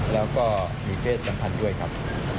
แล้วก็มีเพศสัมพันธ์ด้วยครับ